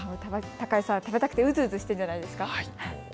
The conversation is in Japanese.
高井さん、食べたくてうずうずしているんじゃないですか。